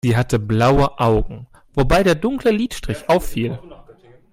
Sie hatte blaue Augen, wobei der dunkle Lidstrich auffiel.